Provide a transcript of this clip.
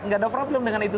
tidak ada problem dengan itu